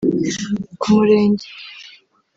Ku murenge